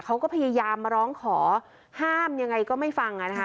เขาก็พยายามมาร้องขอห้ามยังไงก็ไม่ฟังอ่ะนะคะ